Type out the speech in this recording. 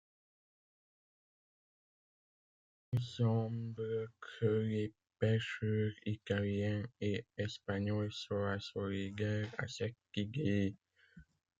Il semble que les pêcheurs italiens et espagnols soient solidaires à cette idée.